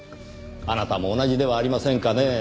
あなたも同じではありませんかねぇ？